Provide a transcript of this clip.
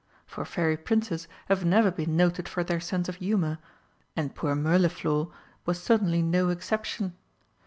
For Fairy Princes have never been noted for their sense of humour, and poor Mirliflor was certainly no exception.